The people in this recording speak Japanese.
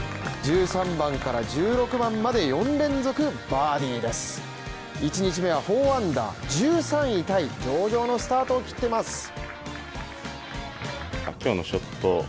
１３番から１６番まで４連続バーディー１日目は４アンダー１３位タイと上々のスタートを切ってます。